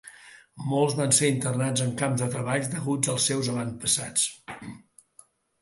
Molts van ser internats en camps de treball degut als seus avantpassats.